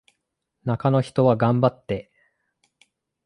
中の人は頑張って